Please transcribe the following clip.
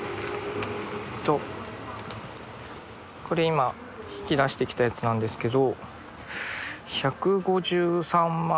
これ今引き出してきたやつなんですけど。